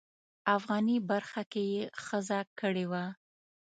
افغاني برخه کې یې ښځه کړې وه.